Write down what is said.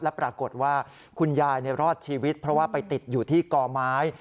ปรากฏว่าคุณยายรอดชีวิตเพราะว่าไปติดอยู่ที่กอไม้